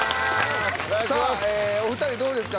さあお二人どうですか？